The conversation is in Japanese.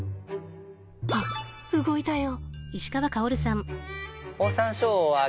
あっ動いたよ。